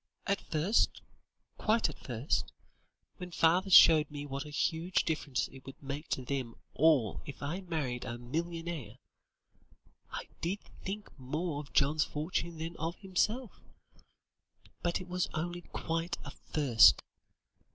At first quite at first when father showed me what a huge difference it would make to them all if I married a millionaire, I did think more of John's fortune than of himself. But, it was only quite at first.